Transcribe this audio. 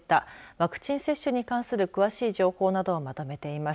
ワクチン接種に関する詳しい情報などをまとめています。